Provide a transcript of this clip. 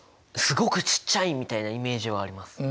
すごくちっちゃいみたいなイメージはあります。